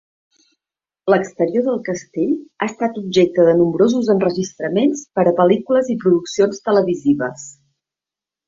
L'exterior del castell ha estat objecte de nombrosos enregistraments per a pel·lícules i produccions televisives.